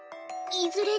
いずれ